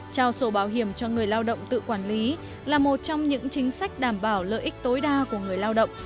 trao sổ bảo hiểm cho người lao động tự quản lý là một trong những chính sách đảm bảo lợi ích tối đa của người lao động